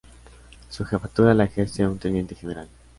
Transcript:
Su jefatura la ejerce un teniente general.